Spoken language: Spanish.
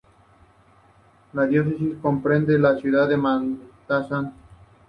La diócesis comprende la ciudad de Matanzas.